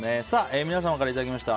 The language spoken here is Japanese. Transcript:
皆様からいただきました